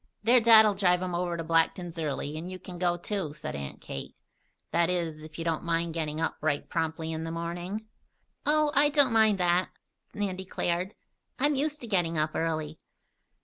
"Their dad'll drive 'em over to Blackton's early, and you can go, too," said Aunt Kate. "That is, if you don't mind getting up right promptly in the morning?" "Oh, I don't mind that," Nan declared. "I'm used to getting up early."